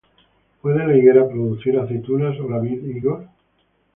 ¿puede la higuera producir aceitunas, ó la vid higos?